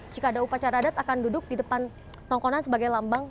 jika ada upacara adat akan duduk di depan tongkonan sebagai lambang